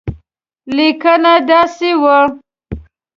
لیکنه داسې وه.